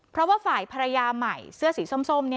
เพราะว่าฝ่ายภรรยาใหม่เสื้อสีส้ม